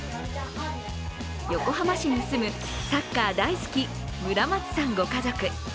横浜市に住むサッカー大好き、村松さんご家族。